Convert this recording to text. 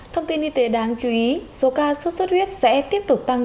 thông tin y tế đáng chú ý số ca sốt xuất huyết sẽ tiếp tục tăng